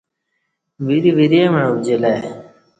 وری ورے مع اُبجی لہ ای